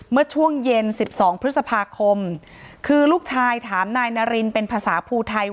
เมื่อช่วงเย็น๑๒พฤษภาคมคือลูกชายถามนายนารินเป็นภาษาภูไทย